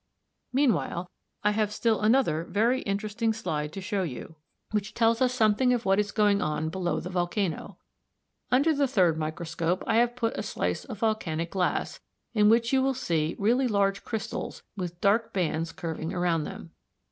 Meanwhile I have still another very interesting slide to show you which tells us something of what is going on below the volcano. Under the third microscope I have put a slice of volcanic glass (Fig. 44) in which you will see really large crystals with dark bands curving round them.